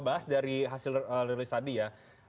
bahas dari hasil rilis tadi ya